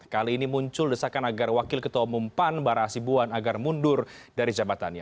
kali ini muncul desakan agar wakil ketua umum pan bara asibuan agar mundur dari jabatannya